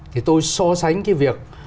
thì tôi so sánh cái việc